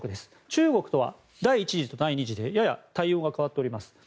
中国とは第１次と第２次でやや対応が変わっています。